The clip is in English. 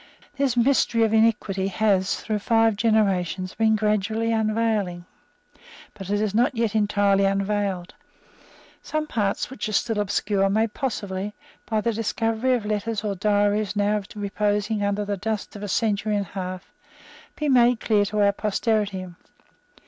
This mystery of iniquity has, through five generations, been gradually unveiling, but is not yet entirely unveiled. Some parts which are still obscure may possibly, by the discovery of letters or diaries now reposing under the dust of a century and a half, be made clear to our posterity.